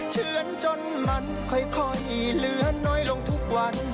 เชื่อนจนมันค่อยเหลือน้อยลงทุกวัน